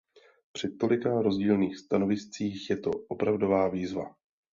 Při tolika rozdílných stanoviscích je to opravdová výzva.